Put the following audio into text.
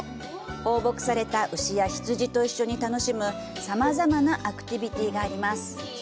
放牧された牛や羊と一緒に楽しむさまざまなアクティビティがあります。